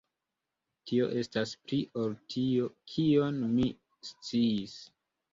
Tio estas pli ol tio, kion mi sciis.